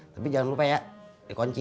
tapi jangan lupa ya dikunci